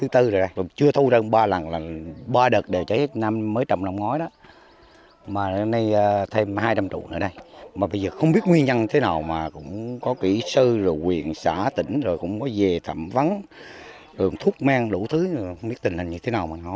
trước tình trạng này